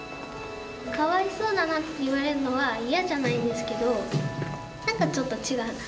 「かわいそうだな」って言われるのは嫌じゃないですけど何かちょっと違うな。